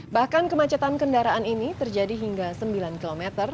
bahkan kemacetan kendaraan ini terjadi hingga sembilan km